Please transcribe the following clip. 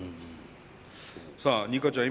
さあニカちゃん